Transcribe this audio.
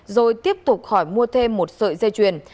rồi tiếp tục hỏi mua thêm một sợi dây chuyền